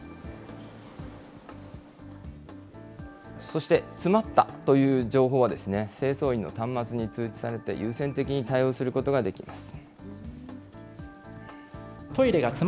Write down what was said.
そして詰まったという情報は、清掃員の端末に通知されて、優先的に対応することができます。